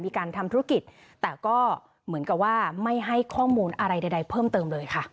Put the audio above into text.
มีการทำธุรกิจแต่ก็เหมือนกับว่าไม่ให้ข้อมูลอะไรใดเพิ่มเติมเลยค่ะ